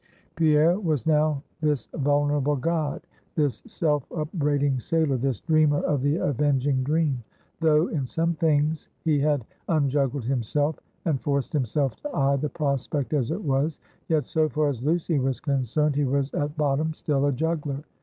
Pierre was now this vulnerable god; this self upbraiding sailor; this dreamer of the avenging dream. Though in some things he had unjuggled himself, and forced himself to eye the prospect as it was; yet, so far as Lucy was concerned, he was at bottom still a juggler.